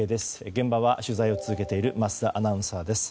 現場は取材を続けている桝田アナウンサーです。